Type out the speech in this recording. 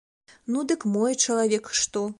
Ну дык мой чалавек што?